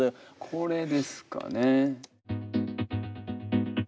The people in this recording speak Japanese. これですかね。